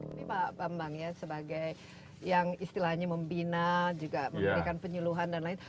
ini pak bambang ya sebagai yang istilahnya membina juga memberikan penyuluhan dan lain